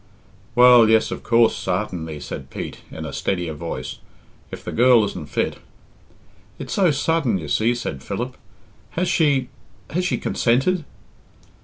"Well, yes, of coorse, sartenly," said Pete, in a steadier voice, "if the girl isn't fit " "It's so sudden, you see," said Philip. "Has she has she consented?"